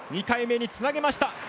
２回目につなげました。